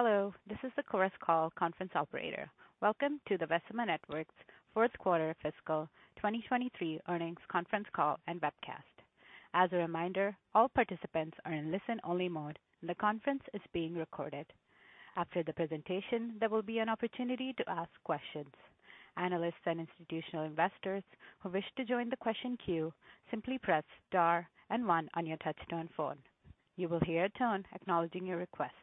Hello, this is the Chorus Call Conference Operator. Welcome to the Vecima Networks fourth quarter fiscal 2023 earnings conference call and webcast. As a reminder, all participants are in listen-only mode, and the conference is being recorded. After the presentation, there will be an opportunity to ask questions. Analysts and institutional investors who wish to join the question queue, simply press star and one on your touchtone phone. You will hear a tone acknowledging your request.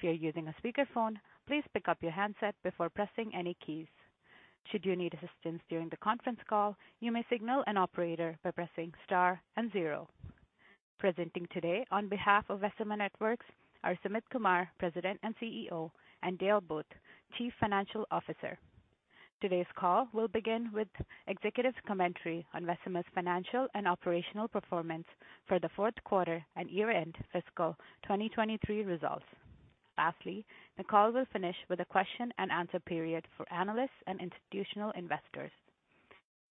If you're using a speakerphone, please pick up your handset before pressing any keys. Should you need assistance during the conference call, you may signal an operator by pressing star and zero. Presenting today on behalf of Vecima Networks are Sumit Kumar, President and CEO, and Dale Booth, Chief Financial Officer. Today's call will begin with executive commentary on Vecima's financial and operational performance for the fourth quarter and year-end fiscal 2023 results. Lastly, the call will finish with a question and answer period for analysts and institutional investors.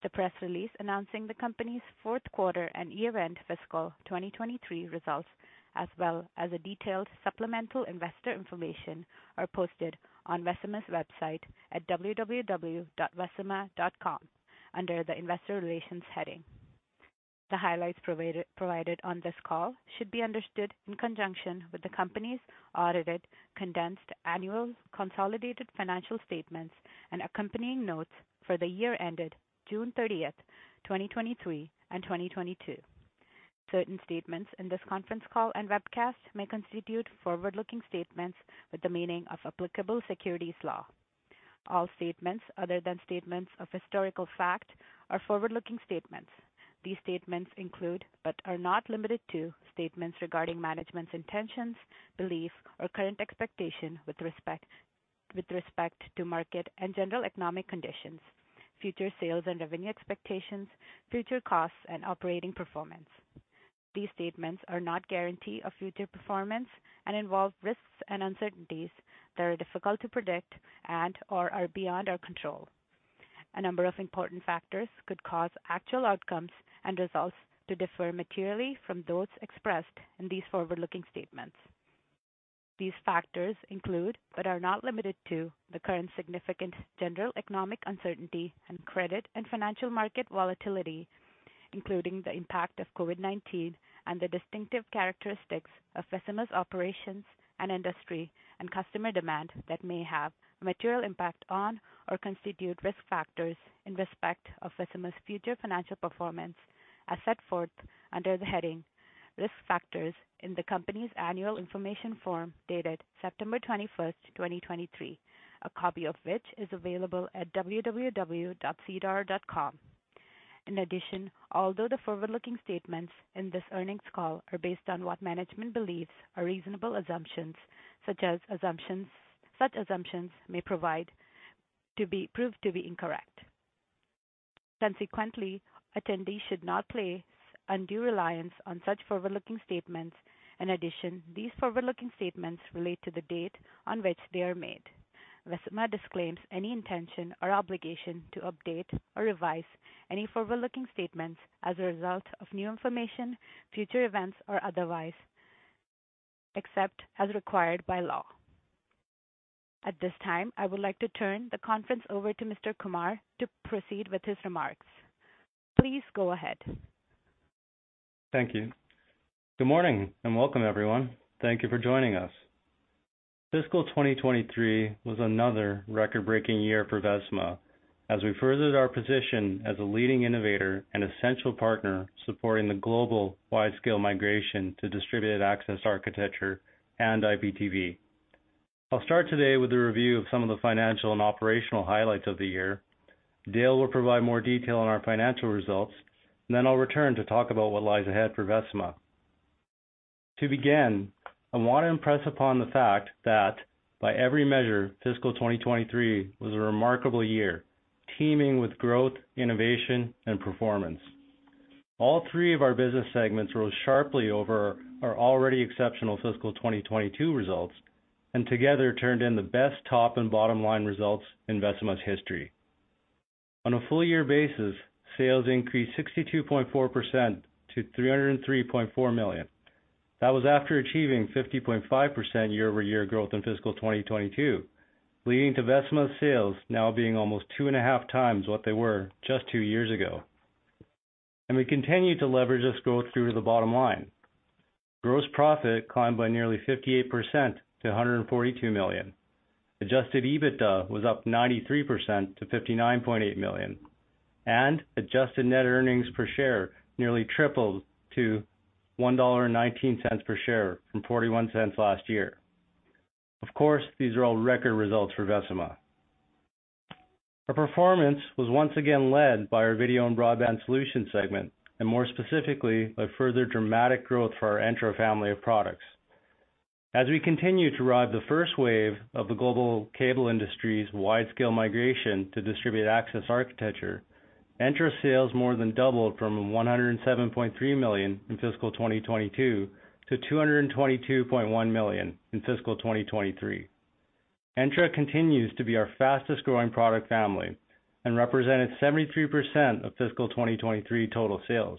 The press release announcing the company's fourth quarter and year-end fiscal 2023 results, as well as a detailed supplemental investor information, are posted on Vecima's website at www.vecima.com under the Investor Relations heading. The highlights provided on this call should be understood in conjunction with the company's audited, condensed annual consolidated financial statements and accompanying notes for the year ended June 30, 2023 and 2022. Certain statements in this conference call and webcast may constitute forward-looking statements with the meaning of applicable securities law. All statements other than statements of historical fact are forward-looking statements. These statements include, but are not limited to, statements regarding management's intentions, belief, or current expectation with respect to market and general economic conditions, future sales and revenue expectations, future costs and operating performance. These statements are not guarantee of future performance and involve risks and uncertainties that are difficult to predict and/or are beyond our control. A number of important factors could cause actual outcomes and results to differ materially from those expressed in these forward-looking statements. These factors include, but are not limited to, the current significant general economic uncertainty and credit and financial market volatility, including the impact of COVID-19 and the distinctive characteristics of Vecima's operations and industry and customer demand that may have a material impact on or constitute risk factors in respect of Vecima's future financial performance, as set forth under the heading "Risk Factors" in the company's Annual Information Form dated September 21st, 2023, a copy of which is available at www.sedar.com. In addition, although the forward-looking statements in this earnings call are based on what management believes are reasonable assumptions, such assumptions may prove to be incorrect. Consequently, attendees should not place undue reliance on such forward-looking statements. In addition, these forward-looking statements relate to the date on which they are made. Vecima disclaims any intention or obligation to update or revise any forward-looking statements as a result of new information, future events, or otherwise, except as required by law. At this time, I would like to turn the conference over to Mr. Kumar to proceed with his remarks. Please go ahead. Thank you. Good morning, and welcome, everyone. Thank you for joining us. Fiscal 2023 was another record-breaking year for Vecima as we furthered our position as a leading innovator and essential partner supporting the global widescale migration to distributed access architecture and IPTV. I'll start today with a review of some of the financial and operational highlights of the year. Dale will provide more detail on our financial results, and then I'll return to talk about what lies ahead for Vecima. To begin, I want to impress upon the fact that by every measure, Fiscal 2023 was a remarkable year, teeming with growth, innovation, and performance. All three of our business segments rose sharply over our already exceptional Fiscal 2022 results, and together turned in the best top and bottom line results in Vecima's history. On a full year basis, sales increased 62.4% to 303.4 million. That was after achieving 50.5% year-over-year growth in fiscal 2022, leading to Vecima's sales now being almost 2.5x what they were just two years ago. We continued to leverage this growth through to the bottom line. Gross profit climbed by nearly 58% to 142 million. Adjusted EBITDA was up 93% to 59.8 million, and adjusted net earnings per share nearly tripled to 1.19 dollar per share from 0.41 last year. Of course, these are all record results for Vecima. Our performance was once again led by our video and broadband solutions segment, and more specifically, by further dramatic growth for our Entra family of products. As we continue to ride the first wave of the global cable industry's widescale migration to distributed access architecture, Entra sales more than doubled from 107.3 million in fiscal 2022 to 222.1 million in fiscal 2023. Entra continues to be our fastest growing product family and represented 73% of fiscal 2023 total sales.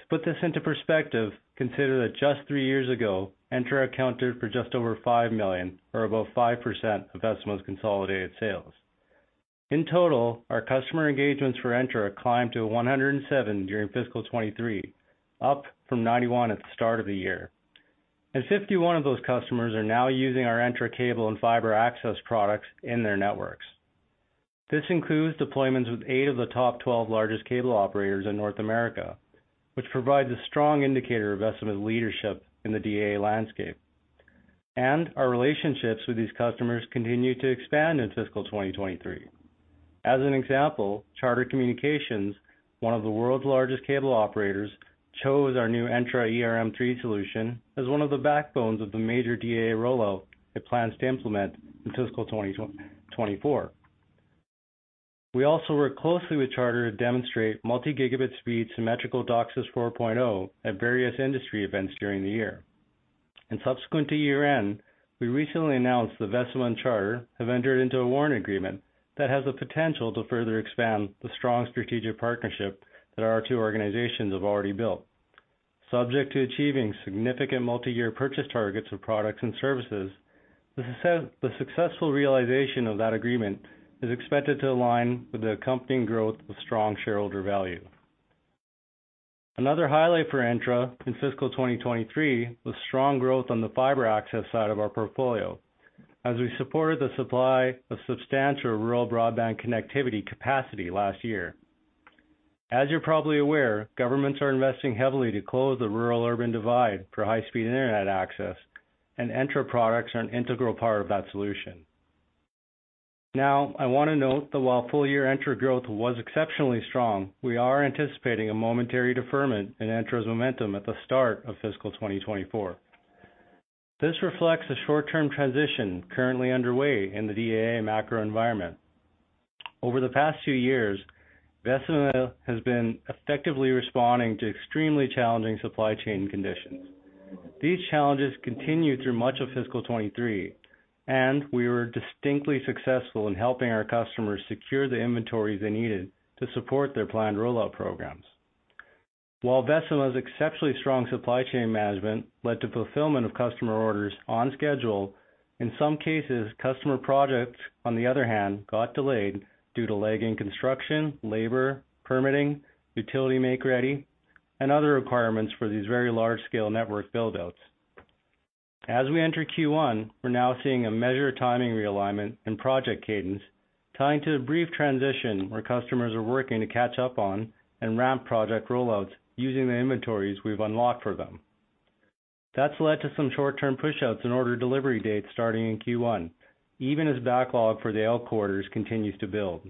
To put this into perspective, consider that just three years ago, Entra accounted for just over 5 million, or about 5% of Vecima's consolidated sales. In total, our customer engagements for Entra climbed to 107 during fiscal 2023, up from 91 at the start of the year. And 51 of those customers are now using our Entra cable and fiber access products in their networks. This includes deployments with eight of the top 12 largest cable operators in North America, which provides a strong indicator of Vecima's leadership in the DAA landscape, and our relationships with these customers continued to expand in fiscal 2023. As an example, Charter Communications, one of the world's largest cable operators, chose our new Entra ERM3 solution as one of the backbones of the major DAA rollout it plans to implement in fiscal 2024. We also worked closely with Charter to demonstrate multi-gigabit speed symmetrical DOCSIS 4.0 at various industry events during the year. Subsequent to year-end, we recently announced that Vecima and Charter have entered into a warrant agreement that has the potential to further expand the strong strategic partnership that our two organizations have already built. Subject to achieving significant multi-year purchase targets of products and services, the successful realization of that agreement is expected to align with the accompanying growth of strong shareholder value. Another highlight for Entra in fiscal 2023 was strong growth on the fiber access side of our portfolio, as we supported the supply of substantial rural broadband connectivity capacity last year. As you're probably aware, governments are investing heavily to close the rural-urban divide for high-speed internet access, and Entra products are an integral part of that solution. Now, I want to note that while full year Entra growth was exceptionally strong, we are anticipating a momentary deferment in Entra's momentum at the start of fiscal 2024. This reflects a short-term transition currently underway in the DAA macro environment. Over the past few years, Vecima has been effectively responding to extremely challenging supply chain conditions. These challenges continued through much of fiscal 2023, and we were distinctly successful in helping our customers secure the inventory they needed to support their planned rollout programs. While Vecima's exceptionally strong supply chain management led to fulfillment of customer orders on schedule, in some cases, customer projects, on the other hand, got delayed due to lagging construction, labor, permitting, utility make-ready, and other requirements for these very large-scale network build-outs. As we enter Q1, we're now seeing a measured timing realignment and project cadence, tying to the brief transition where customers are working to catch up on and ramp project rollouts using the inventories we've unlocked for them. That's led to some short-term pushouts in order delivery dates starting in Q1, even as backlog for the out quarters continues to build.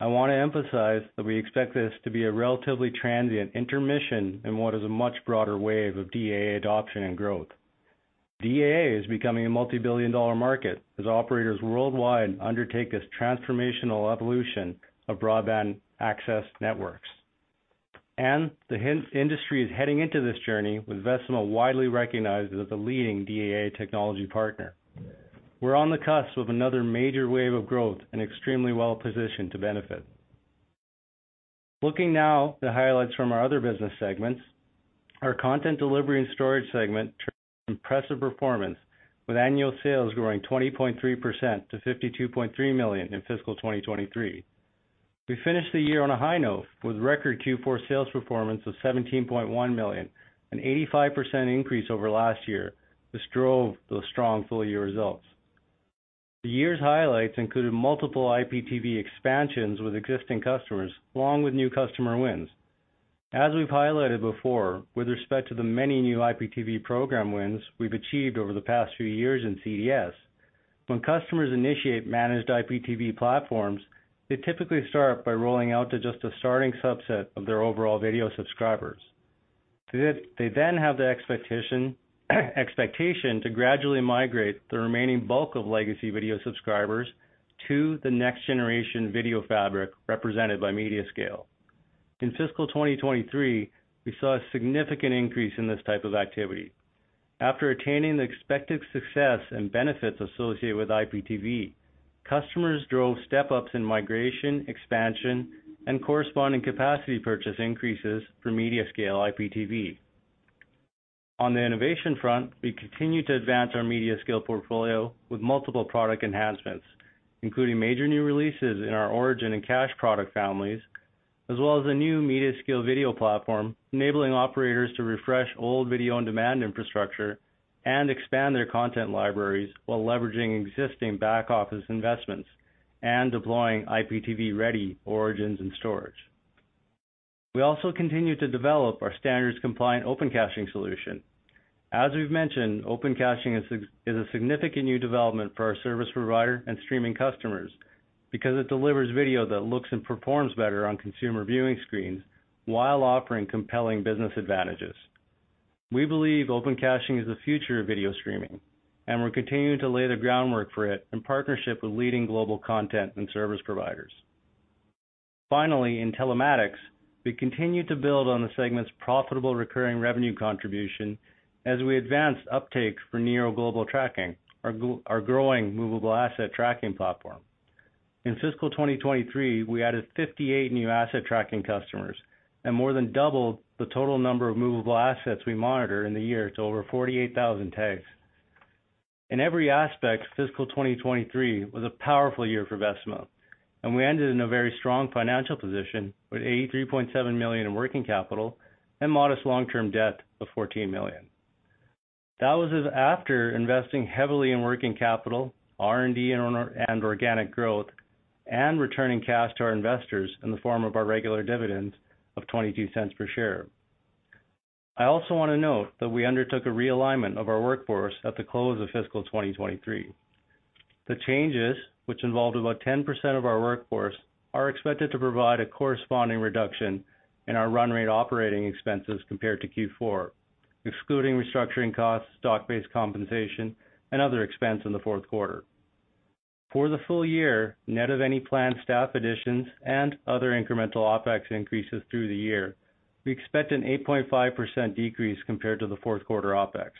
I want to emphasize that we expect this to be a relatively transient intermission in what is a much broader wave of DAA adoption and growth. DAA is becoming a multi-billion dollar market as operators worldwide undertake this transformational evolution of broadband access networks. The cable industry is heading into this journey with Vecima widely recognized as a leading DAA technology partner. We're on the cusp of another major wave of growth and extremely well positioned to benefit. Looking now to highlights from our other business segments, our content delivery and storage segment turned impressive performance, with annual sales growing 20.3% to 52.3 million in fiscal 2023. We finished the year on a high note with record Q4 sales performance of 17.1 million, an 85% increase over last year. This drove those strong full-year results. The year's highlights included multiple IPTV expansions with existing customers, along with new customer wins. As we've highlighted before, with respect to the many new IPTV program wins we've achieved over the past few years in CDS, when customers initiate managed IPTV platforms, they typically start by rolling out to just a starting subset of their overall video subscribers. They then have the expectation to gradually migrate the remaining bulk of legacy video subscribers to the next generation video fabric, represented by MediaScale. In fiscal 2023, we saw a significant increase in this type of activity. After attaining the expected success and benefits associated with IPTV, customers drove step ups in migration, expansion, and corresponding capacity purchase increases for MediaScale IPTV. On the innovation front, we continued to advance our MediaScale portfolio with multiple product enhancements, including major new releases in our origin and cache product families, as well as a new MediaScale video platform, enabling operators to refresh old video on demand infrastructure and expand their content libraries while leveraging existing back-office investments and deploying IPTV-ready origins and storage. We also continued to develop our standards-compliant Open Caching solution. As we've mentioned, Open Caching is a significant new development for our service provider and streaming customers because it delivers video that looks and performs better on consumer viewing screens while offering compelling business advantages. We believe Open Caching is the future of video streaming, and we're continuing to lay the groundwork for it in partnership with leading global content and service providers. Finally, in telematics, we continued to build on the segment's profitable recurring revenue contribution as we advanced uptakes for Nero Global Tracking, our growing movable asset tracking platform... In fiscal 2023, we added 58 new asset tracking customers and more than doubled the total number of movable assets we monitor in the year to over 48,000 tags. In every aspect, fiscal 2023 was a powerful year for Vecima, and we ended in a very strong financial position with 83.7 million in working capital and modest long-term debt of 14 million. That was after investing heavily in working capital, R&D and organic growth, and returning cash to our investors in the form of our regular dividends of 0.22 per share. I also want to note that we undertook a realignment of our workforce at the close of fiscal 2023. The changes, which involved about 10% of our workforce, are expected to provide a corresponding reduction in our run rate operating expenses compared to Q4, excluding restructuring costs, stock-based compensation, and other expense in the fourth quarter. For the full year, net of any planned staff additions and other incremental OpEx increases through the year, we expect an 8.5% decrease compared to the fourth quarter OpEx.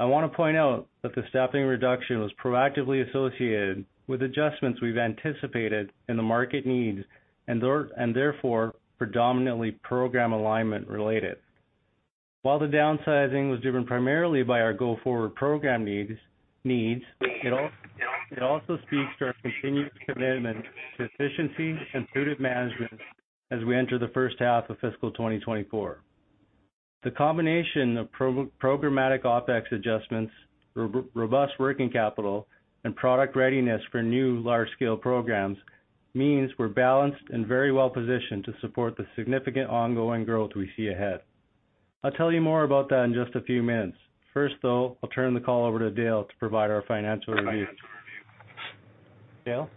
I want to point out that the staffing reduction was proactively associated with adjustments we've anticipated in the market needs and therefore, predominantly program alignment related. While the downsizing was driven primarily by our go-forward program needs, it also speaks to our continued commitment to efficiency and prudent management as we enter the first half of fiscal 2024. The combination of programmatic OpEx adjustments, robust working capital, and product readiness for new large-scale programs, means we're balanced and very well-positioned to support the significant ongoing growth we see ahead. I'll tell you more about that in just a few minutes. First, though, I'll turn the call over to Dale to provide our financial review. Dale?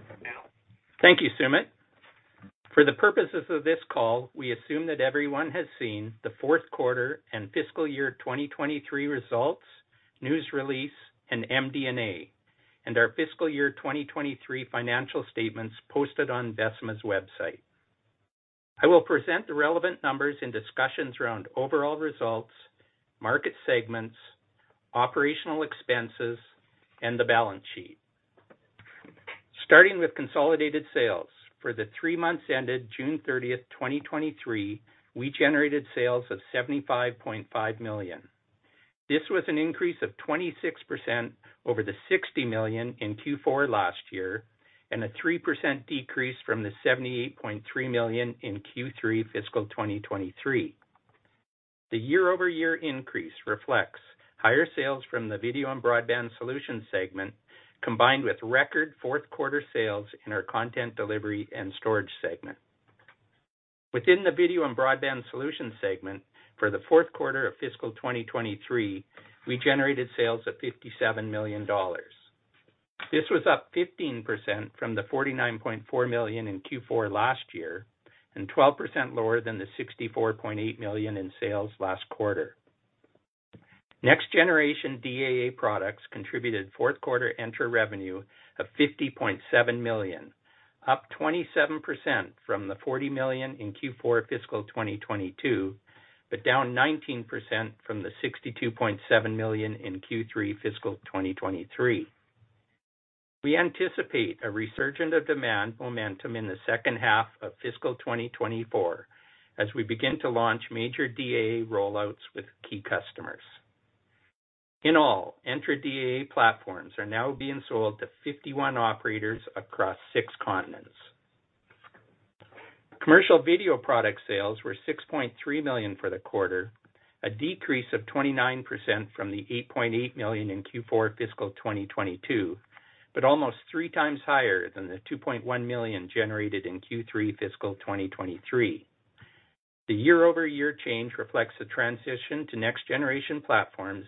Thank you, Sumit. For the purposes of this call, we assume that everyone has seen the fourth quarter and fiscal year 2023 results, news release, and MD&A, and our fiscal year 2023 financial statements posted on Vecima's website. I will present the relevant numbers and discussions around overall results, market segments, operational expenses, and the balance sheet. Starting with consolidated sales. For the 3 months ended June thirtieth, 2023, we generated sales of 75.5 million. This was an increase of 26% over the 60 million in Q4 last year, and a 3% decrease from the 78.3 million in Q3 fiscal 2023. The year-over-year increase reflects higher sales from the video and broadband solutions segment, combined with record fourth quarter sales in our content delivery and storage segment. Within the video and broadband solutions segment, for the fourth quarter of fiscal 2023, we generated sales of 57 million dollars. This was up 15% from the 49.4 million in Q4 last year, and 12% lower than the 64.8 million in sales last quarter. Next generation DAA products contributed fourth quarter Entra revenue of 50.7 million, up 27% from the 40 million in Q4 fiscal 2022, but down 19% from the 62.7 million in Q3 fiscal 2023. We anticipate a resurgence of demand momentum in the second half of fiscal 2024 as we begin to launch major DAA rollouts with key customers. In all, Entra DAA platforms are now being sold to 51 operators across six continents. Commercial video product sales were 6.3 million for the quarter, a decrease of 29% from the 8.8 million in Q4 fiscal 2022, but almost three times higher than the 2.1 million generated in Q3 fiscal 2023. The year-over-year change reflects a transition to next generation platforms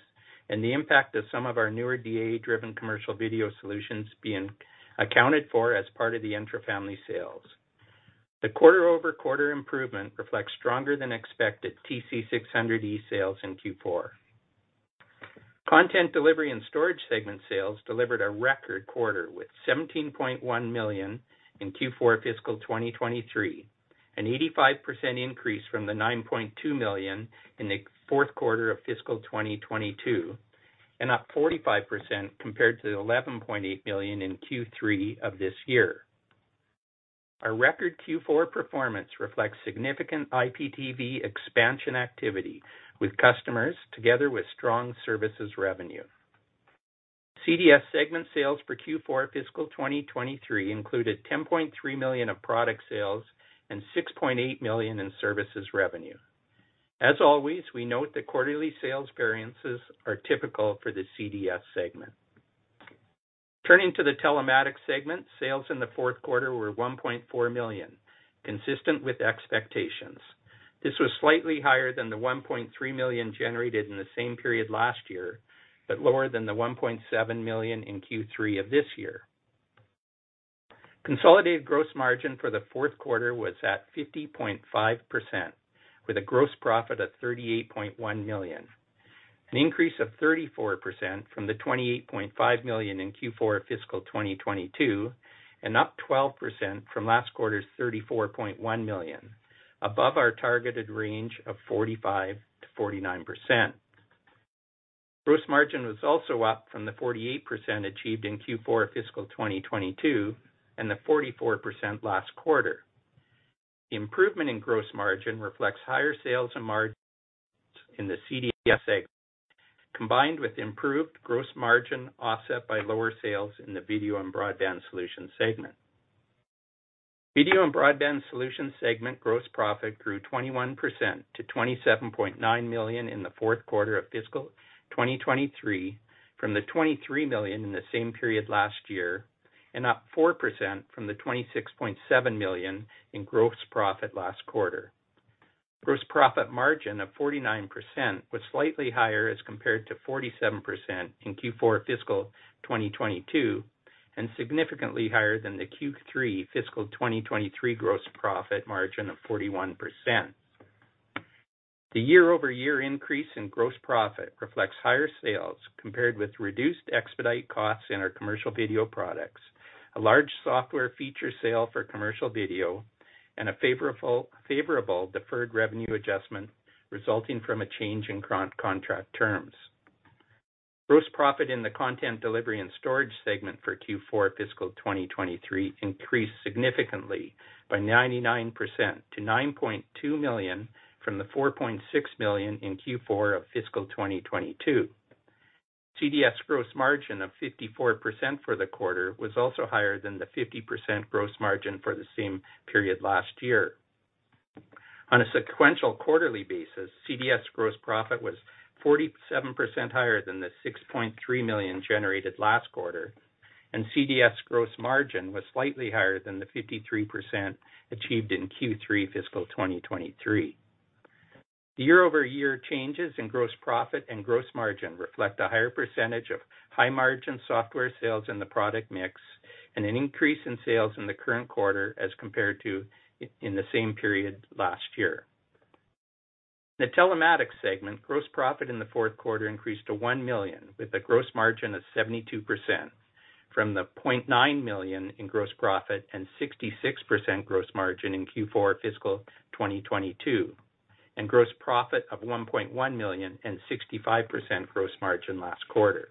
and the impact of some of our newer DAA-driven commercial video solutions being accounted for as part of the Entra family sales. The quarter-over-quarter improvement reflects stronger than expected TC600E sales in Q4. Content delivery and storage segment sales delivered a record quarter with 17.1 million in Q4 fiscal 2023, an 85% increase from the 9.2 million in the fourth quarter of fiscal 2022, and up 45% compared to the 11.8 million in Q3 of this year. Our record Q4 performance reflects significant IPTV expansion activity with customers, together with strong services revenue. CDS segment sales for Q4 fiscal 2023 included 10.3 million of product sales and 6.8 million in services revenue. As always, we note that quarterly sales variances are typical for the CDS segment. Turning to the Telematics segment, sales in the fourth quarter were 1.4 million, consistent with expectations. This was slightly higher than the 1.3 million generated in the same period last year, but lower than the 1.7 million in Q3 of this year. Consolidated gross margin for the fourth quarter was at 50.5%, with a gross profit of 38.1 million, an increase of 34% from the 28.5 million in Q4 fiscal 2022, and up 12% from last quarter's 34.1 million, above our targeted range of 45%-49%. Gross margin was also up from the 48% achieved in Q4 fiscal 2022, and the 44% last quarter. Improvement in gross margin reflects higher sales and margins in the CDS segment, combined with improved gross margin, offset by lower sales in the Video and Broadband Solutions segment. Video and Broadband Solutions segment gross profit grew 21% to 27.9 million in the fourth quarter of fiscal 2023, from the 23 million in the same period last year, and up 4% from the 26.7 million in gross profit last quarter. Gross profit margin of 49% was slightly higher as compared to 47% in Q4 fiscal 2022, and significantly higher than the Q3 fiscal 2023 gross profit margin of 41%. The year-over-year increase in gross profit reflects higher sales compared with reduced expedite costs in our commercial video products, a large software feature sale for commercial video, and a favorable deferred revenue adjustment resulting from a change in contract terms. Gross profit in the Content Delivery and Storage segment for Q4 fiscal 2023 increased significantly by 99% to 9.2 million, from the 4.6 million in Q4 of fiscal 2022. CDS gross margin of 54% for the quarter was also higher than the 50% gross margin for the same period last year. On a sequential quarterly basis, CDS gross profit was 47% higher than the 6.3 million generated last quarter, and CDS gross margin was slightly higher than the 53% achieved in Q3 fiscal 2023. The year-over-year changes in gross profit and gross margin reflect a higher percentage of high-margin software sales in the product mix, and an increase in sales in the current quarter as compared to in the same period last year. In the Telematics segment, gross profit in the fourth quarter increased to 1 million, with a gross margin of 72%, from 0.9 million in gross profit and 66% gross margin in Q4 fiscal 2022, and gross profit of 1.1 million and 65% gross margin last quarter.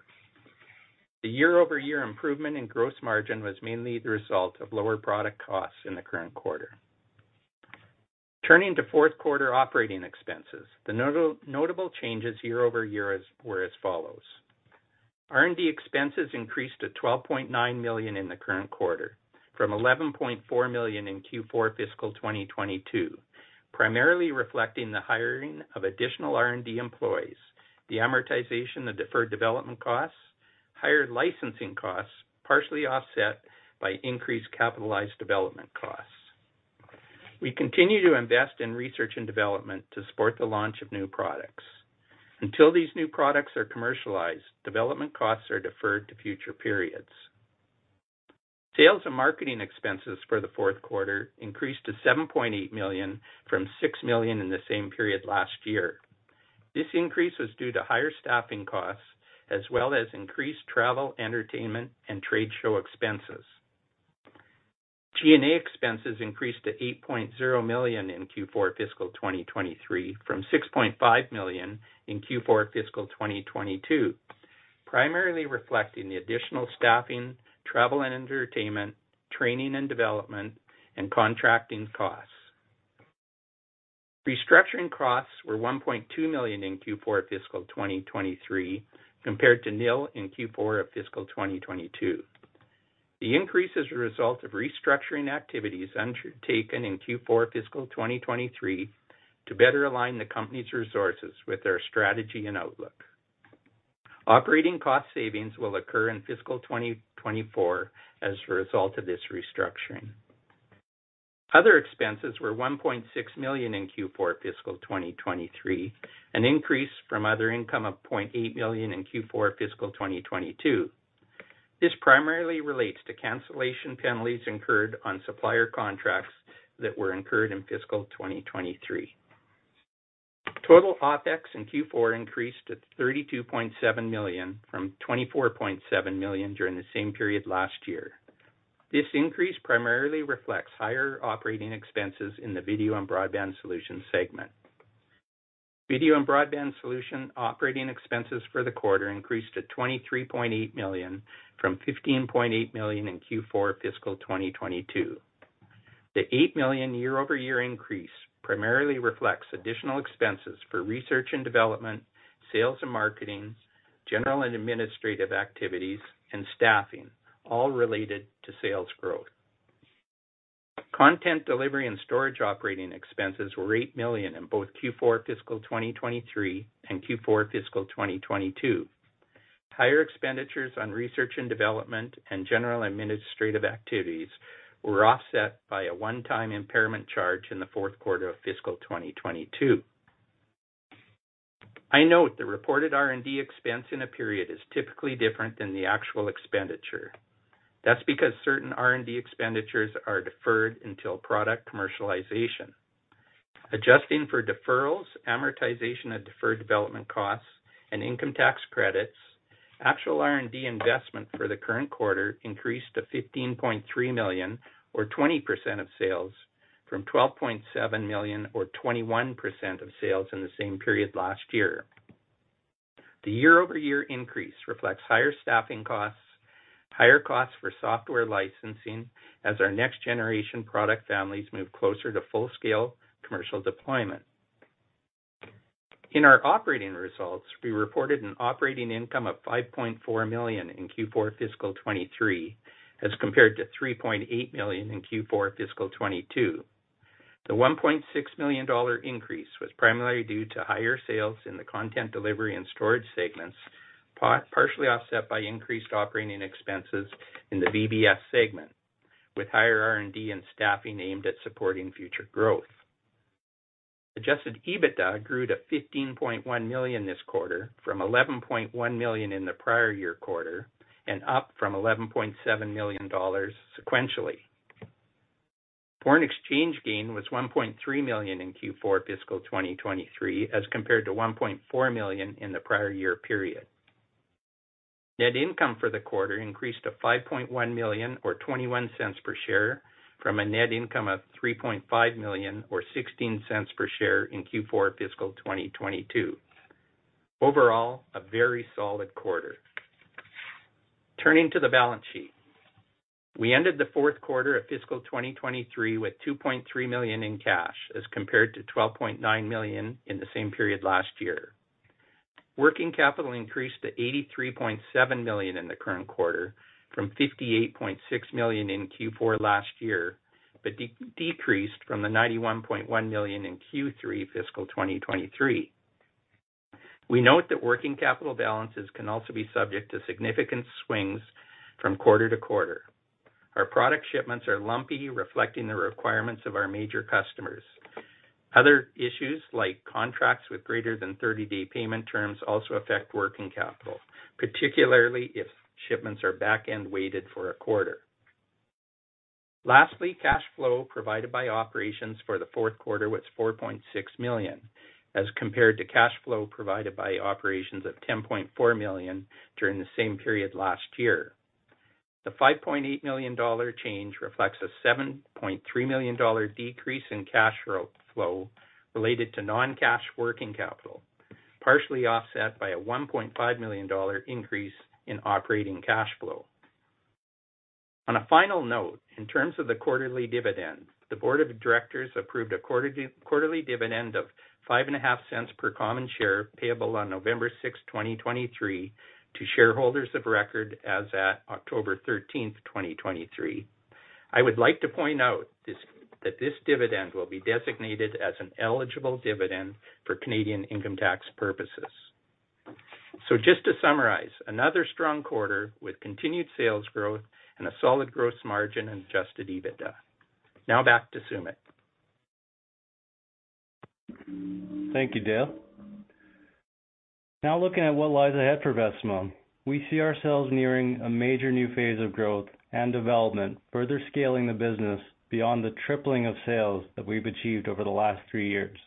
The year-over-year improvement in gross margin was mainly the result of lower product costs in the current quarter. Turning to fourth quarter operating expenses, the notable changes year-over-year were as follows: R&D expenses increased to 12.9 million in the current quarter from 11.4 million in Q4 fiscal 2022, primarily reflecting the hiring of additional R&D employees, the amortization of deferred development costs, higher licensing costs, partially offset by increased capitalized development costs. We continue to invest in research and development to support the launch of new products. Until these new products are commercialized, development costs are deferred to future periods. Sales and marketing expenses for the fourth quarter increased to 7.8 million from 6 million in the same period last year. This increase was due to higher staffing costs, as well as increased travel, entertainment, and trade show expenses. G&A expenses increased to 8.0 million in Q4 fiscal 2023, from 6.5 million in Q4 fiscal 2022, primarily reflecting the additional staffing, travel and entertainment, training and development, and contracting costs. Restructuring costs were 1.2 million in Q4 fiscal 2023, compared to nil in Q4 of fiscal 2022. The increase is a result of restructuring activities undertaken in Q4 fiscal 2023 to better align the company's resources with our strategy and outlook. Operating cost savings will occur in fiscal 2024 as a result of this restructuring. Other expenses were 1.6 million in Q4 fiscal 2023, an increase from other income of 0.8 million in Q4 fiscal 2022. This primarily relates to cancellation penalties incurred on supplier contracts that were incurred in fiscal 2023. Total OpEx in Q4 increased to 32.7 million from 24.7 million during the same period last year. This increase primarily reflects higher operating expenses i n the Video and Broadband Solutions segment. Video and Broadband Solutions operating expenses for the quarter increased to 23.8 million from 15.8 million in Q4 fiscal 2022. The 8 million year-over-year increase primarily reflects additional expenses for research and development, sales and marketing, general and administrative activities, and staffing, all related to sales growth. Content delivery and storage operating expenses were 8 million in both Q4 fiscal 2023 and Q4 fiscal 2022. Higher expenditures on research and development and general administrative activities were offset by a one-time impairment charge in the fourth quarter of fiscal 2022. I note the reported R&D expense in a period is typically different than the actual expenditure. That's because certain R&D expenditures are deferred until product commercialization. Adjusting for deferrals, amortization of deferred development costs, and income tax credits, actual R&D investment for the current quarter increased to 15.3 million, or 20% of sales, from 12.7 million, or 21% of sales, in the same period last year. The year-over-year increase reflects higher staffing costs, higher costs for software licensing as our next generation product families move closer to full-scale commercial deployment. In our operating results, we reported an operating income of 5.4 million in Q4 fiscal 2023, as compared to 3.8 million in Q4 fiscal 2022. The 1.6 million dollar increase was primarily due to higher sales in the content delivery and storage segments, partially offset by increased operating expenses in the VBS segment, with higher R&D and staffing aimed at supporting future growth. Adjusted EBITDA grew to 15.1 million this quarter from 11.1 million in the prior year quarter, and up from 11.7 million dollars sequentially. Foreign exchange gain was 1.3 million in Q4 fiscal 2023, as compared to 1.4 million in the prior year period. Net income for the quarter increased to 5.1 million, or 0.21 per share, from a net income of 3.5 million, or 0.16 per share in Q4 fiscal 2022. Overall, a very solid quarter. Turning to the balance sheet. We ended the fourth quarter of fiscal 2023 with 2.3 million in cash, as compared to 12.9 million in the same period last year. Working capital increased to 83.7 million in the current quarter, from 58.6 million in Q4 last year, but decreased from the 91.1 million in Q3 fiscal 2023. We note that working capital balances can also be subject to significant swings from quarter to quarter. Our product shipments are lumpy, reflecting the requirements of our major customers. Other issues, like contracts with greater than 30-day payment terms, also affect working capital, particularly if shipments are back-end weighted for a quarter. Lastly, cash flow provided by operations for the fourth quarter was 4.6 million, as compared to cash flow provided by operations of 10.4 million during the same period last year. The 5.8 million dollar change reflects a 7.3 million dollar decrease in cash flow related to non-cash working capital, partially offset by a 1.5 million dollar increase in operating cash flow. On a final note, in terms of the quarterly dividend, the board of directors approved a quarterly dividend of 0.055 per common share, payable on November sixth, 2023, to shareholders of record as at October thirteenth, 2023. I would like to point out this, that this dividend will be designated as an eligible dividend for Canadian income tax purposes. So just to summarize, another strong quarter with continued sales growth and a solid gross margin and adjusted EBITDA. Now back to Sumit. Thank you, Dale. Now, looking at what lies ahead for Vecima, we see ourselves nearing a major new phase of growth and development, further scaling the business beyond the tripling of sales that we've achieved over the last three years.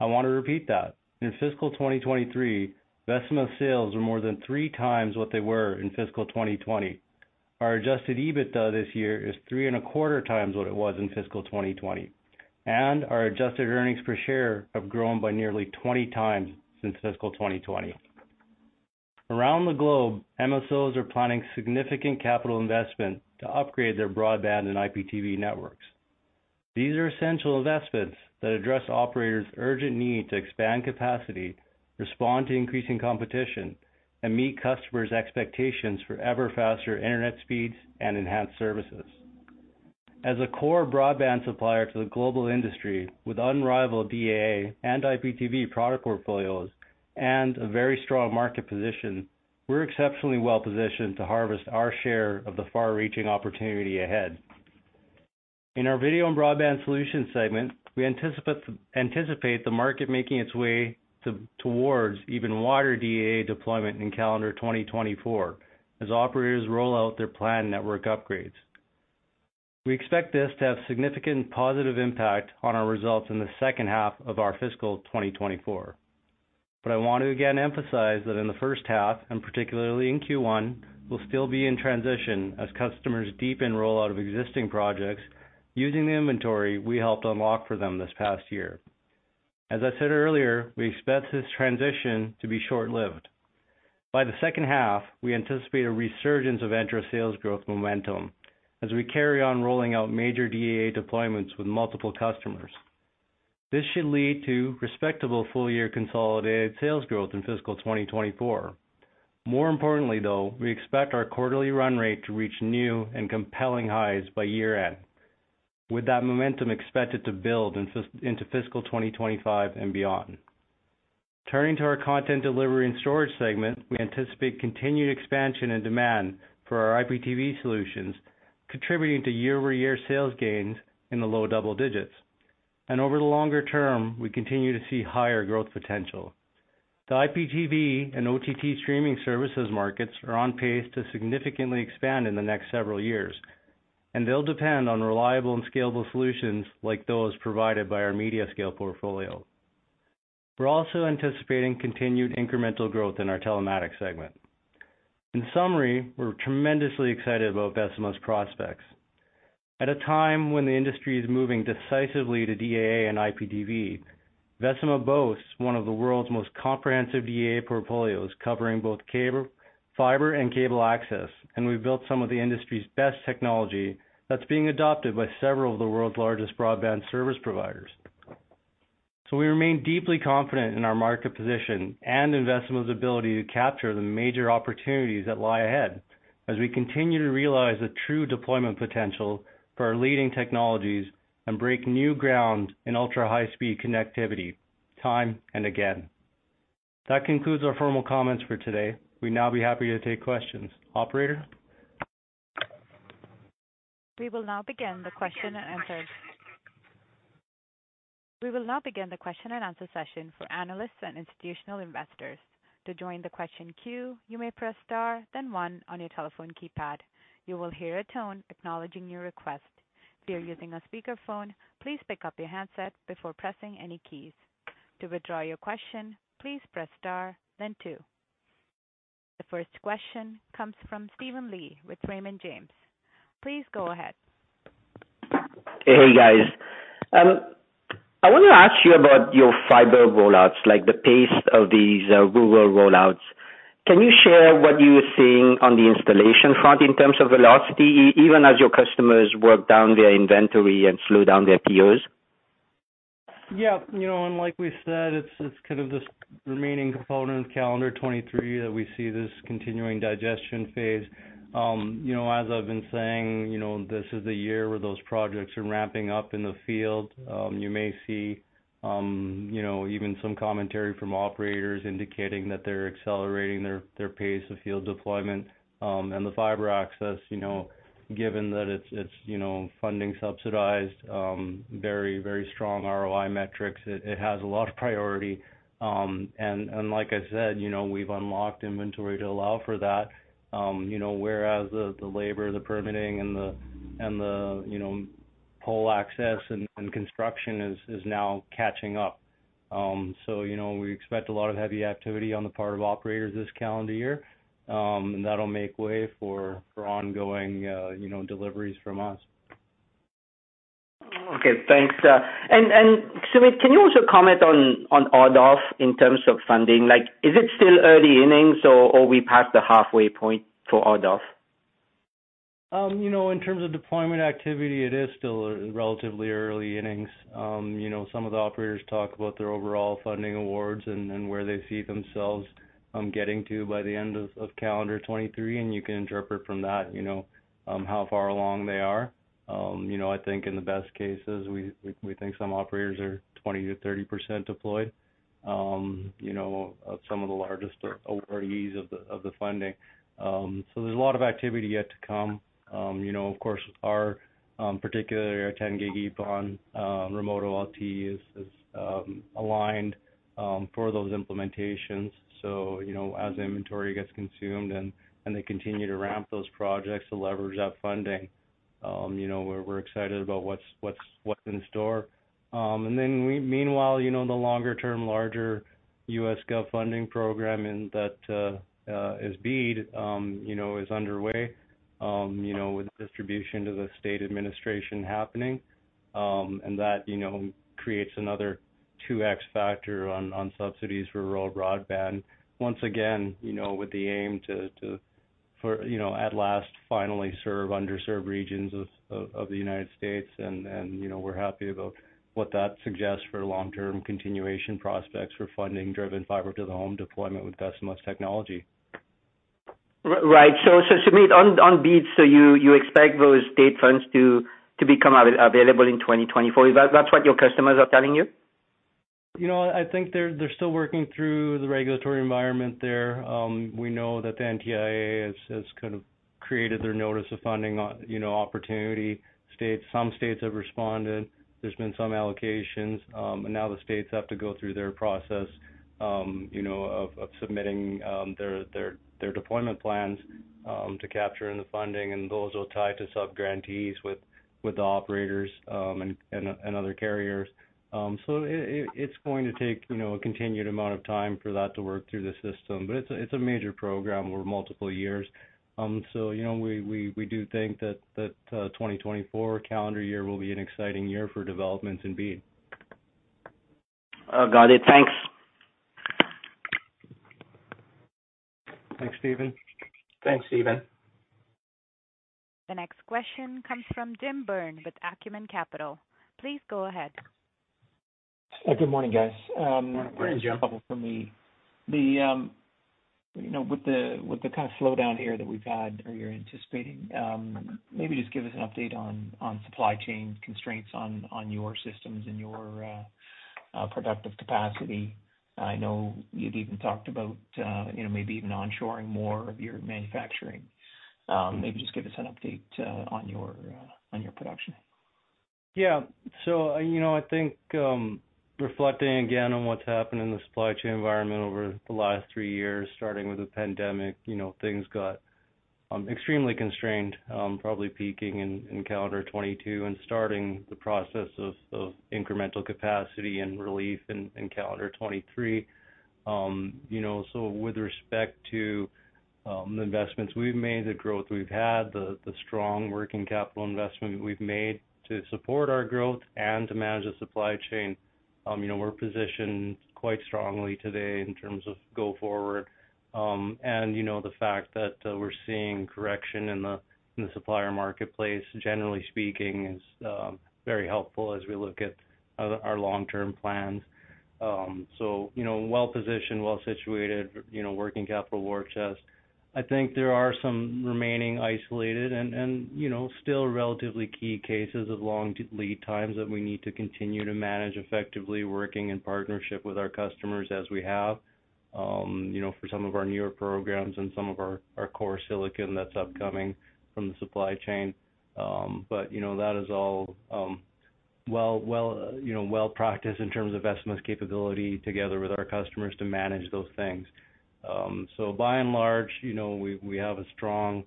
I want to repeat that. In fiscal 2023, Vecima's sales were more than three times what they were in fiscal 2020. Our adjusted EBITDA this year is three and a quarter times what it was in fiscal 2020, and our adjusted earnings per share have grown by nearly 20 times since fiscal 2020. Around the globe, MSOs are planning significant capital investment to upgrade their broadband and IPTV networks. These are essential investments that address operators' urgent need to expand capacity, respond to increasing competition, and meet customers' expectations for ever-faster internet speeds and enhanced services. As a core broadband supplier to the global industry, with unrivaled DAA and IPTV product portfolios and a very strong market position, we're exceptionally well-positioned to harvest our share of the far-reaching opportunity ahead. In our video and broadband solutions segment, we anticipate the market making its way towards even wider DAA deployment in calendar 2024, as operators roll out their planned network upgrades. We expect this to have significant positive impact on our results in the second half of our fiscal 2024. But I want to again emphasize that in the first half, and particularly in Q1, we'll still be in transition as customers deepen rollout of existing projects using the inventory we helped unlock for them this past year. As I said earlier, we expect this transition to be short-lived. By the second half, we anticipate a resurgence of Entra sales growth momentum as we carry on rolling out major DAA deployments with multiple customers. This should lead to respectable full-year consolidated sales growth in fiscal 2024. More importantly, though, we expect our quarterly run rate to reach new and compelling highs by year-end, with that momentum expected to build into fiscal 2025 and beyond. Turning to our content delivery and storage segment, we anticipate continued expansion and demand for our IPTV solutions, contributing to year-over-year sales gains in the low double digits. Over the longer term, we continue to see higher growth potential. The IPTV and OTT streaming services markets are on pace to significantly expand in the next several years... and they'll depend on reliable and scalable solutions like those provided by our MediaScale portfolio. We're also anticipating continued incremental growth in our telematics segment. In summary, we're tremendously excited about Vecima's prospects. At a time when the industry is moving decisively to DAA and IPTV, Vecima boasts one of the world's most comprehensive DAA portfolios, covering both cable, fiber, and cable access, and we've built some of the industry's best technology that's being adopted by several of the world's largest broadband service providers. So we remain deeply confident in our market position and in Vecima's ability to capture the major opportunities that lie ahead, as we continue to realize the true deployment potential for our leading technologies and break new ground in ultra high speed connectivity, time and again. That concludes our formal comments for today. We'd now be happy to take questions. Operator? We will now begin the question and answers. We will now begin the question and answer session for analysts and institutional investors. To join the question queue, you may press Star, then one on your telephone keypad. You will hear a tone acknowledging your request. If you're using a speakerphone, please pick up your handset before pressing any keys. To withdraw your question, please press Star then two. The first question comes from Steven Li with Raymond James. Please go ahead. Hey, guys. I want to ask you about your fiber rollouts, like the pace of these, rural rollouts. Can you share what you are seeing on the installation front in terms of velocity, even as your customers work down their inventory and slow down their POs? Yeah, you know, and like we said, it's kind of this remaining component of calendar 2023, that we see this continuing digestion phase. You know, as I've been saying, you know, this is the year where those projects are ramping up in the field. You may see, you know, even some commentary from operators indicating that they're accelerating their pace of field deployment, and the fiber access, you know, given that it's funding subsidized, very, very strong ROI metrics. It has a lot of priority. And like I said, you know, we've unlocked inventory to allow for that, you know, whereas the labor, the permitting and the pole access and construction is now catching up. So, you know, we expect a lot of heavy activity on the part of operators this calendar year, and that'll make way for ongoing, you know, deliveries from us. Okay, thanks. And Sumit, can you also comment on RDOF in terms of funding? Like, is it still early innings or we passed the halfway point for RDOF? You know, in terms of deployment activity, it is still relatively early innings. You know, some of the operators talk about their overall funding awards and where they see themselves getting to by the end of calendar 2023, and you can interpret from that, you know, how far along they are. You know, I think in the best cases, we think some operators are 20%-30% deployed, you know, some of the largest awardees of the funding. There is a lot of activity yet to come. You know, of course, our particular 10G-EPON remote OLT is aligned for those implementations. You know, as inventory gets consumed and they continue to ramp those projects to leverage that funding, you know, we're excited about what's in store. Meanwhile, you know, in the longer term, larger U.S. government funding program, and that is BEAD, you know, is underway, you know, with distribution to the state administration happening. That, you know, creates another 2x factor on subsidies for rural broadband. Once again, you know, with the aim to, for, you know, at last, finally serve underserved regions of the United States, and, you know, we're happy about what that suggests for long-term continuation prospects for funding-driven fiber to the home deployment with Vecima's technology. Right. So, Sumit, on BEAD, you expect those state funds to become available in 2024. Is that what your customers are telling you? You know, I think they're still working through the regulatory environment there. We know that the NTIA has kind of created their notice of funding on, you know, opportunity states. Some states have responded. There's been some allocations, and now the states have to go through their process, you know, of submitting their deployment plans to capture in the funding, and those will tie to subgrantees with the operators and other carriers. So it, it's going to take, you know, a continued amount of time for that to work through the system. But it's a major program over multiple years. So, you know, we do think that 2024 calendar year will be an exciting year for developments in BEAD. Got it. Thanks. Thanks, Steven. Thanks, Steven. The next question comes from Jim Byrne with Acumen Capital. Please go ahead. Good morning, guys. Good morning, Jim Just a couple from me. You know, with the kind of slowdown here that we've had or you're anticipating, maybe just give us an update on supply chain constraints on your systems and your productive capacity. I know you'd even talked about, you know, maybe even onshoring more of your manufacturing. Maybe just give us an update on your production. Yeah. So, you know, I think, reflecting again on what's happened in the supply chain environment over the last three years, starting with the pandemic, you know, things got extremely constrained, probably peaking in calendar 2022 and starting the process of incremental capacity and relief in calendar 2023. You know, so with respect to the investments we've made, the growth we've had, the strong working capital investment we've made to support our growth and to manage the supply chain, you know, we're positioned quite strongly today in terms of go forward. And, you know, the fact that we're seeing correction in the supplier marketplace, generally speaking, is very helpful as we look at our long-term plans. So, you know, well-positioned, well-situated, you know, working capital war chest. I think there are some remaining isolated and you know still relatively key cases of long lead times that we need to continue to manage effectively, working in partnership with our customers as we have, you know, for some of our newer programs and some of our core silicon that's upcoming from the supply chain. But you know that is all you know well practiced in terms of estimates capability together with our customers to manage those things. So by and large, you know, we have a strong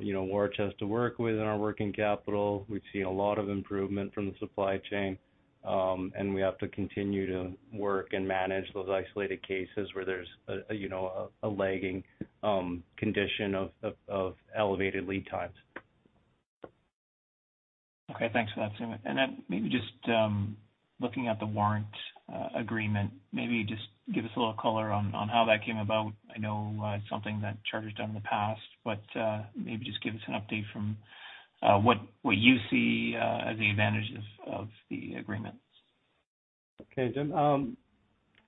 you know war chest to work with in our working capital. We've seen a lot of improvement from the supply chain and we have to continue to work and manage those isolated cases where there's a you know a lagging condition of elevated lead times. Okay, thanks for that, Sumit. And then maybe just looking at the warrant agreement, maybe just give us a little color on how that came about. I know it's something that Charter's done in the past, but maybe just give us an update from what you see as the advantages of the agreement. Okay, Jim.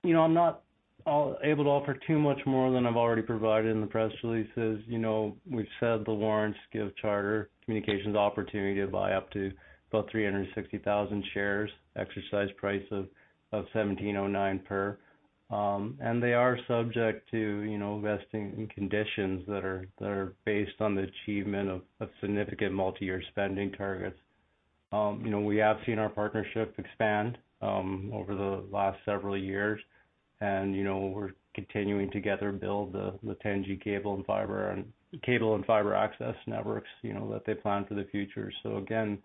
You know, I'm not able to offer too much more than I've already provided in the press releases. You know, we've said the warrants give Charter Communications opportunity to buy up to about 360,000 shares, exercise price of 17.09 per. And they are subject to, you know, vesting in conditions that are based on the achievement of significant multi-year spending targets. You know, we have seen our partnership expand over the last several years, and, you know, we're continuing to together build the 10G cable and fiber access networks, you know, that they plan for the future. So again,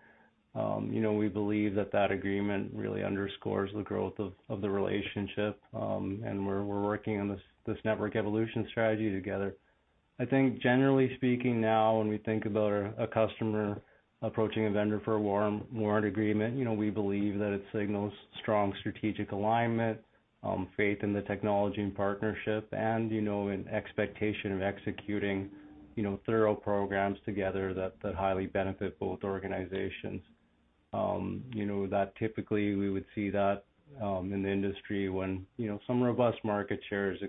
you know, we believe that agreement really underscores the growth of the relationship, and we're working on this network evolution strategy together. I think generally speaking now, when we think about a customer approaching a vendor for a warrant agreement, you know, we believe that it signals strong strategic alignment, faith in the technology and partnership and, you know, an expectation of executing, you know, thorough programs together that highly benefit both organizations. You know, that typically we would see that in the industry when, you know, some robust market share is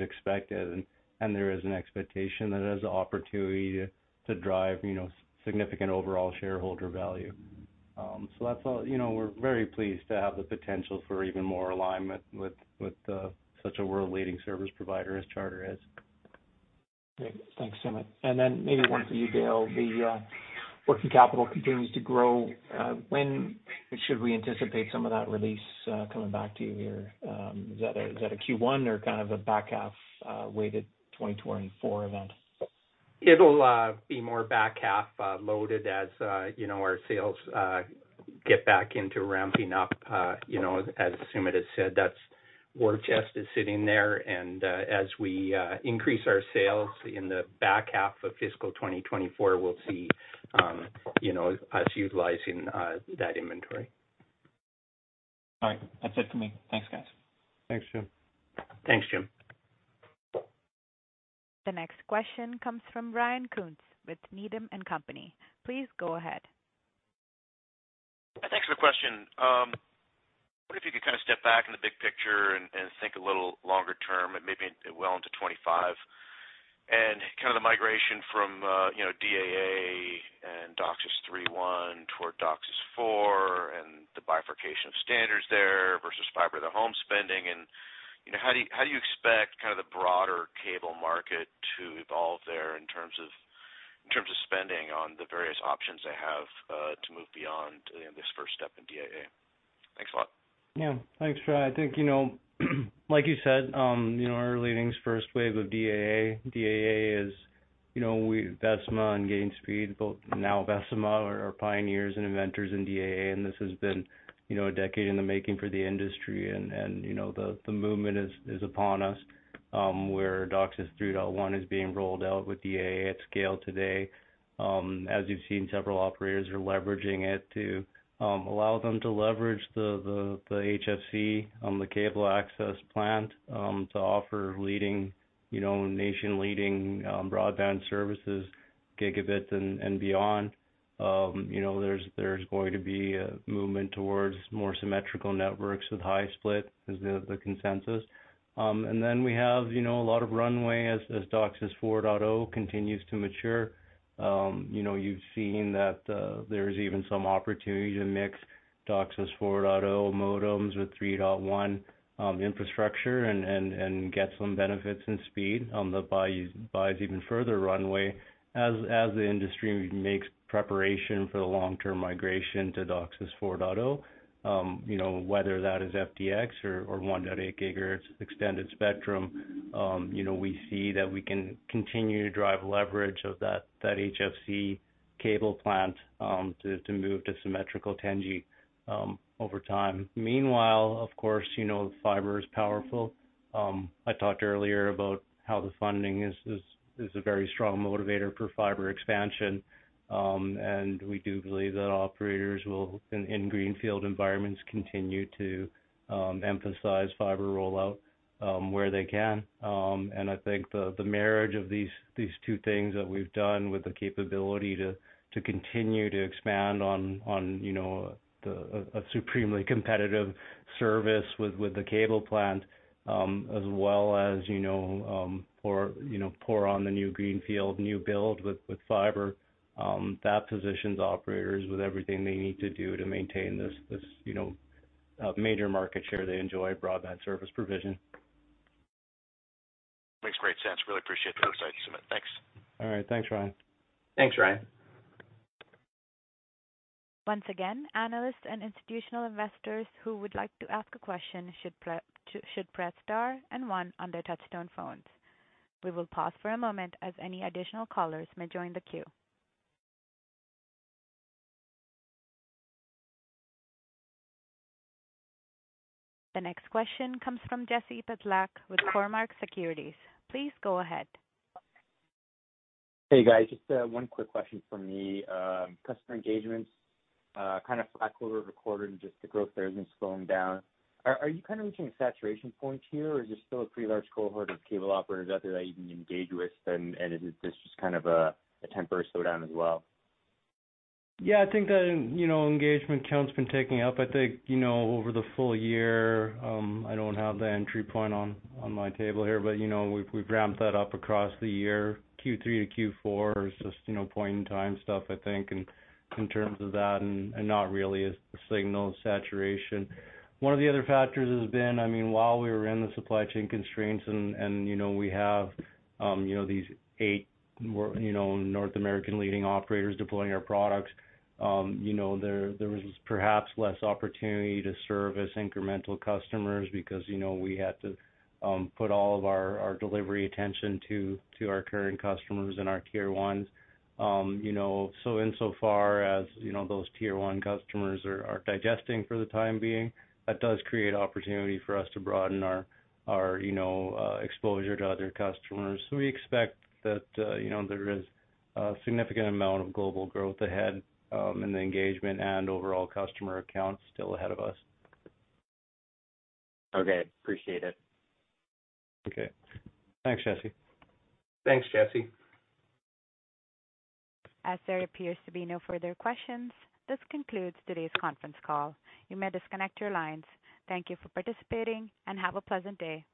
expected and there is an expectation that there's an opportunity to drive, you know, significant overall shareholder value. So that's all. You know, we're very pleased to have the potential for even more alignment with such a world-leading service provider as Charter is. Great. Thanks, Sumit. And then maybe one for you, Dale. The working capital continues to grow. When should we anticipate some of that release coming back to you here? Is that a Q1 or kind of a back half weighted 2024 event? It'll be more back half loaded as you know, our sales get back into ramping up. You know, as Sumit has said, that war chest is sitting there, and as we increase our sales in the back half of fiscal 2024, we'll see you know, us utilizing that inventory. All right. That's it for me. Thanks, guys. Thanks, Jim. Thanks, Jim. The next question comes from Ryan Koontz with Needham & Company. Please go ahead. Thanks for the question. What if you could kind of step back in the big picture and think a little longer term and maybe well into 2025, and kind of the migration from, you know, DAA and DOCSIS 3.1 toward DOCSIS 4.0, and the bifurcation of standards there versus fiber to home spending. And, you know, how do you, how do you expect kind of the broader cable market to evolve there in terms of, in terms of spending on the various options they have, to move beyond, you know, this first step in DAA? Thanks a lot. Yeah. Thanks, Ryan. I think, you know, like you said, you know, we're leading this first wave of DAA. DAA is, you know, we—Vecima and Gainspeed, both now Vecima, are pioneers and inventors in DAA, and this has been, you know, a decade in the making for the industry. And, you know, the movement is upon us, where DOCSIS 3.1 is being rolled out with DAA at scale today. As you've seen, several operators are leveraging it to allow them to leverage the HFC on the cable access plant to offer leading, you know, nation-leading broadband services, gigabits and beyond. You know, there's going to be a movement towards more symmetrical networks with high split, is the consensus. We have, you know, a lot of runway as DOCSIS 4.0 continues to mature. You know, you've seen that there's even some opportunity to mix DOCSIS 4.0 modems with 3.1 infrastructure and get some benefits and speed that buys you even further runway. As the industry makes preparation for the long-term migration to DOCSIS 4.0, you know, whether that is FDX or 1.8 gigahertz extended spectrum, you know, we see that we can continue to drive leverage of that HFC cable plant to move to symmetrical 10G over time. Meanwhile, of course, you know, fiber is powerful. I talked earlier about how the funding is a very strong motivator for fiber expansion. We do believe that operators will, in greenfield environments, continue to emphasize fiber rollout where they can. I think the marriage of these two things that we've done with the capability to continue to expand on, you know, a supremely competitive service with the cable plant, as well as, you know, pour on the new greenfield, new build with fiber, that positions operators with everything they need to do to maintain this, you know, major market share they enjoy broadband service provision. Makes great sense. Really appreciate the insight, Sumit. Thanks. All right. Thanks, Ryan. Thanks, Ryan. Once again, analysts and institutional investors who would like to ask a question should press Star and one on their touchtone phones. We will pause for a moment as any additional callers may join the queue. The next question comes from Jesse Pytlak with Cormark Securities. Please go ahead. Hey, guys. Just one quick question from me. Customer engagements kind of flat quarter over quarter, and just the growth there has been slowing down. Are you kind of reaching a saturation point here, or is there still a pretty large cohort of cable operators out there that you can engage with? And is this just kind of a temporary slowdown as well? Yeah, I think that, you know, engagement count's been ticking up. I think, you know, over the full year, I don't have the entry point on, on my table here, but, you know, we've ramped that up across the year. Q3 to Q4 is just, you know, point in time stuff, I think, in terms of that and not really a signal of saturation. One of the other factors has been I mean, while we were in the supply chain constraints and, you know, we have these eight more, you know, North American leading operators deploying our products, you know, there was perhaps less opportunity to serve as incremental customers because, you know, we had to put all of our delivery attention to our current customers and our tier ones. You know, so insofar as, you know, those tier one customers are digesting for the time being, that does create opportunity for us to broaden our, you know, exposure to other customers. So we expect that, you know, there is a significant amount of global growth ahead, in the engagement and overall customer accounts still ahead of us. Okay, appreciate it. Okay. Thanks, Jesse. Thanks, Jesse. As there appears to be no further questions, this concludes today's conference call. You may disconnect your lines. Thank you for participating and have a pleasant day.